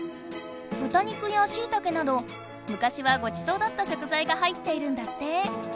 ぶた肉やしいたけなどむかしはごちそうだった食材が入っているんだって。